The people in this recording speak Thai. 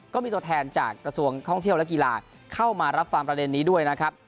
ก็มีตัวแทนจากกระทรวงท่องเที่ยวและกีฬาเข้ามารับฟังประเด็นนี้ด้วยนะครับ